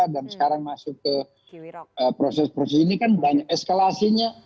dan sekarang masuk ke proses proses ini kan banyak eskalasinya